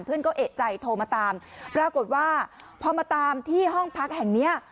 เพื่อนก็เอกใจโทรมาตามปรากฏว่าพอมาตามที่ห้องพักแห่งเนี้ย